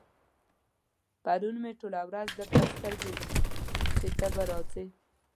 پرون مې ټوله ورځ درته سترګې وې چې ته به راځې.